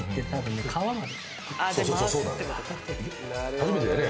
初めてだよね？